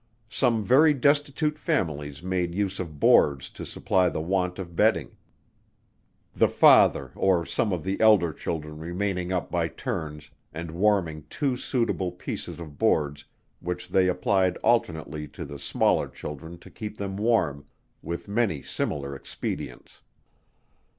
Some very destitute families made use of boards to supply the want of bedding: the father or some of the elder children remaining up by turns, and warming two suitable pieces of boards, which they applied alternately to the smaller children to keep them warm; with many similar expedients.